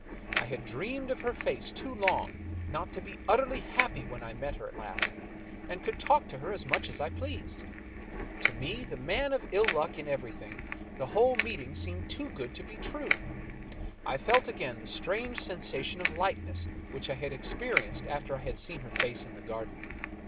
I had dreamed of her face too long not to be utterly happy when I met her at last and could talk to her as much as I pleased. To me, the man of ill luck in everything, the whole meeting seemed too good to be true. I felt again that strange sensation of lightness which I had experienced after I had seen her face in the garden.